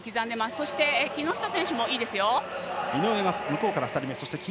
そして木下選手もいいですよ。